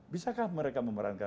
bisakah mereka memerankan